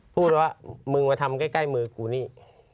พูดว่ามึงมาทำใกล้มือกูนี่